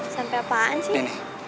sampai apaan sih